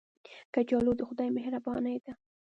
کچالو د خدای مهرباني ده